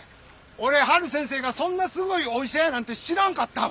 俺陽先生がそんなすごいお医者やなんて知らんかったわ。